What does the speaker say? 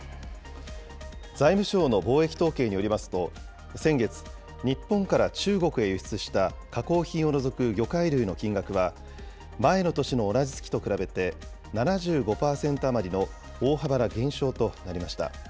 財務省の貿易統計によりますと、先月、日本から中国へ輸出した加工品を除く魚介類の金額は、前の年の同じ月と比べて、７５％余りの大幅な減少となりました。